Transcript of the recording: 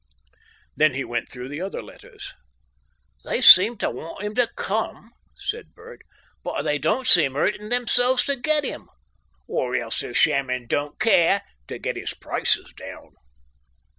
Then he went through the other letters. "They seem to want him to come," said Bert, "but they don't seem hurting themselves to get 'im. Or else they're shamming don't care to get his prices down.